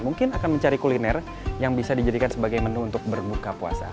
mungkin akan mencari kuliner yang bisa dijadikan sebagai menu untuk berbuka puasa